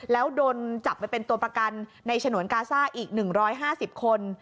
แล้วโดนจับไปเป็นตัวประกันในฉนวนกาซ่าอีก๑๕๐คน